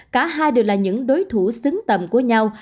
cả hai đều là những đối thủ xứng tầm của nhau